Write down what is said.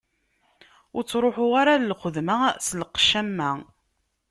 Ur ttruḥeɣ ara ɣer lxedma s lqecc am wa.